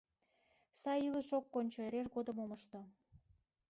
Сай илыш ок кончо эреж годым омышто.